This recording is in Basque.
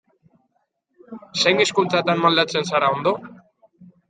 Zein hizkuntzatan moldatzen zara ondo?